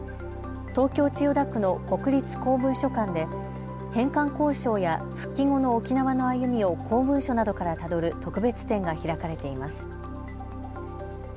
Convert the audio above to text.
東京千代田区の国立公文書館で返還交渉や復帰後の沖縄の歩みを公文書などからたどる特別展が開かれています。